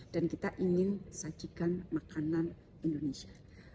dan kita ingin sajikan makanan indonesia